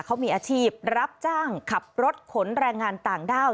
เขามีอาชีพรับจ้างขับรถขนแรงงานต่างด้าว